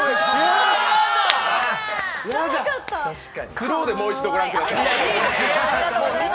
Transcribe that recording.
スローでもう一度御覧ください。